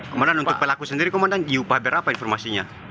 komandan untuk pelaku sendiri komandan diupah berapa informasinya